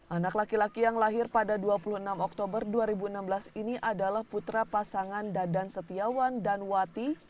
anak laki laki yang lahir pada dua puluh enam oktober dua ribu enam belas ini adalah putra pasangan dadan setiawan dan wati